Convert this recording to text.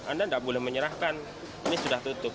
anda tidak boleh menyerahkan ini sudah tutup